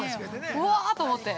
うわっと思って。